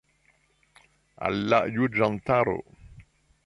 Al la juĝantaro?